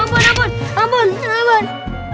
ampun ampun ampun ampun